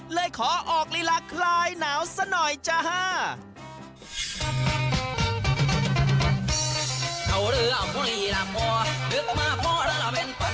เลยขอออกลีลาคลายหนาวซะหน่อยจ้า